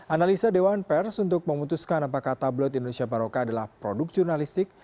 analisa dewan pers untuk memutuskan apakah tabloid indonesia baroka adalah produk jurnalistik